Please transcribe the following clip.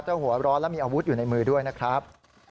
หัวร้อนและมีอาวุธอยู่ในมือด้วยนะครับ